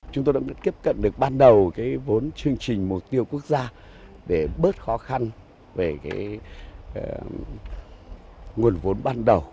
chúng tôi đã tiếp cận được ban đầu cái vốn chương trình mục tiêu quốc gia để bớt khó khăn về cái nguồn vốn ban đầu